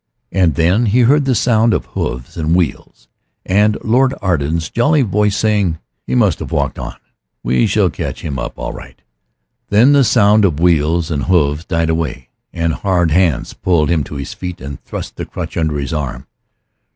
And then he heard the sound of hoofs and wheels, and Lord Arden's jolly voice saying, "He must have walked on; we shall catch him up all right." Then the sound of wheels and hoofs died away, and hard hands pulled him to his feet and thrust the crutch under his arm.